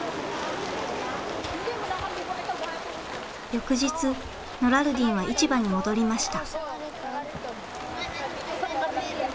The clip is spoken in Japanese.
翌日ノラルディンは市場に戻りました。